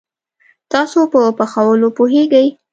تاسو په پخولوو پوهیږئ؟